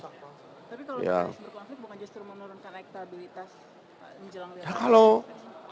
tapi kalau berkonflik bukan justru menurunkan rektabilitas menjelang lirik